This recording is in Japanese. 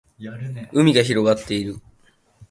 海が広がっている